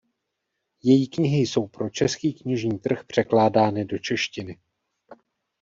Její knihy jsou pro český knižní trh překládány do češtiny.